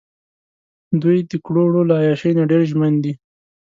دوۍ دکړو وړو له عیاشۍ نه ډېر ژمن نه دي.